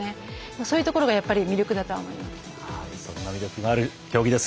そういうところが魅力だと思います。